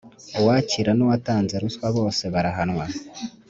Uwakira nuwatanze ruswa bose barahanwa